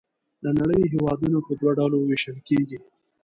د نړۍ هېوادونه په دوه ډلو ویشل کیږي.